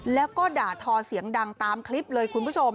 แล้วก็ด่าทอเสียงดังตามคลิปเลยคุณผู้ชม